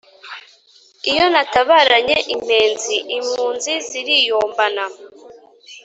Iyo natabaranye impenzi impunzi ziriyombana